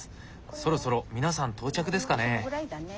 そろそろ皆さん到着ですかね？